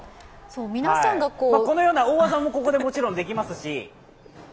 このような大技もここでもちろんできますし